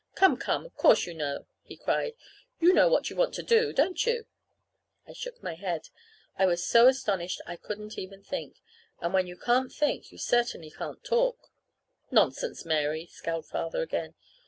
"Come, come, of course you know!" he cried. "You know what you want to do, don't you?" I shook my head. I was so astonished I couldn't even think. And when you can't think you certainly can't talk. "Nonsense, Mary," scowled Father again.